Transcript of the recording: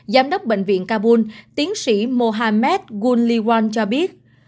giám đốc bệnh viện kabul tiến sĩ mohammed gul liwan cho biết